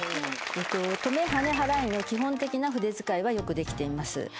トメハネ払いの基本的な筆遣いはよくできています。